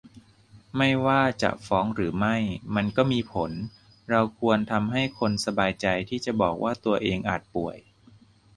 ไม่ว่าจะฟ้องหรือไม่มันก็มีผล เราควรทำให้คนสบายใจที่จะบอกว่าตัวเองอาจป่วย